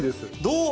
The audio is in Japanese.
どう？